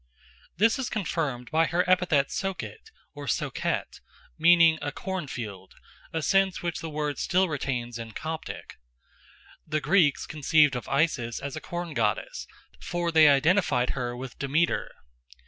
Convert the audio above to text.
This is confirmed by her epithet Sochit or Sochet, meaning "a corn field," a sense which the word still retains in Coptic. The Greeks conceived of Isis as a corn goddess, for they identified her with Demeter.